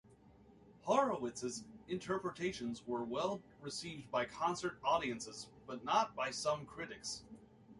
Horowitz's interpretations were well received by concert audiences, but not by some critics.